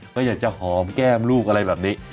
ก็อยากจะหอมแก้มลูกอะไรแบบนี้